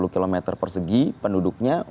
lima puluh km persegi penduduknya